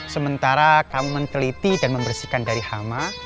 sementara kamu menteliti dan membersihkan dari hama